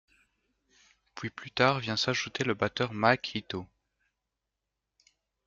Puis plus tard vient s'ajouter le batteur Mike Heato.